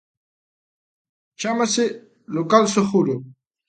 Chámase "local seguro".